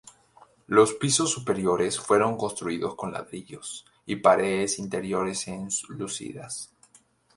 Los pisos superiores fueron construidos con ladrillos y paredes interiores enlucidas.